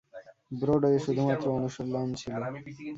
Broadway শুধুমাত্র অনুশীলন ছিল।